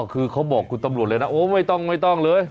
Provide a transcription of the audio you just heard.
อ๋อคือเขาบอกคุณตำรวจเลยนะไม่ต้องเลย